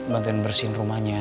bantuin bersihin rumahnya